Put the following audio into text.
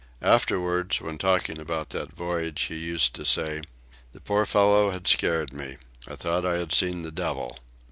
Afterwards, when talking about that voyage, he used to say: "The poor fellow had scared me. I thought I had seen the devil."